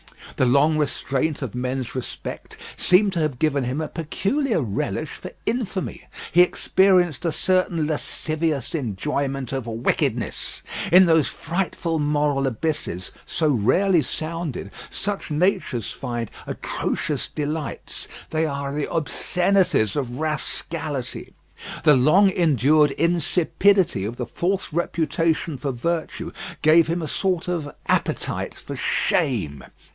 The long restraint of men's respect seemed to have given him a peculiar relish for infamy. He experienced a certain lascivious enjoyment of wickedness. In those frightful moral abysses so rarely sounded, such natures find atrocious delights they are the obscenities of rascality. The long endured insipidity of the false reputation for virtue gave him a sort of appetite for shame.